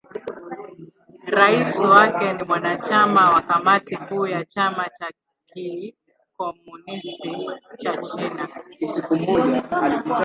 Rais wake ni mwanachama wa Kamati Kuu ya Chama cha Kikomunisti cha China.